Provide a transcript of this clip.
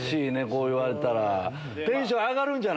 こう言われたら。